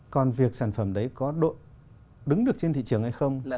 còn việc sản phẩm đấy có đứng được trên thị trường hay không